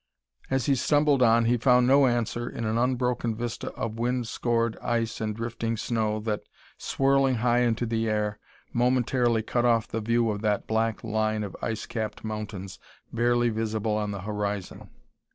As he stumbled on he found no answer in an unbroken vista of wind scored ice and drifting snow that, swirling high into the air, momentarily cut off the view of that black line of ice capped mountains barely visible on the horizon.